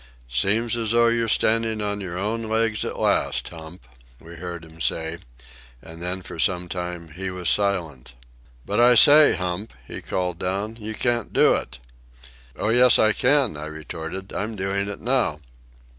"It seems as though you're standing on your own legs at last, Hump," we heard him say; and then for some time he was silent. "But I say, Hump," he called down. "You can't do it." "Oh, yes, I can," I retorted. "I'm doing it now."